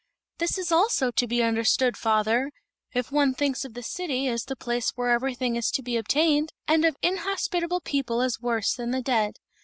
"This also is to be understood, father, if one thinks of the city as the place where everything is to be obtained, and of inhospitable people as worse than the dead.